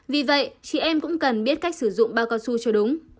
vì vậy chị em cũng cần biết cách sử dụng bao cao su cho đúng